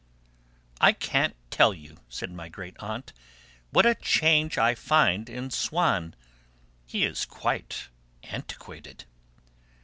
"I can't tell you," said my great aunt, "what a change I find in Swann. He is quite antiquated!"